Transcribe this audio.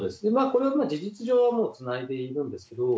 これはもう事実上はもうつないでいるんですけど。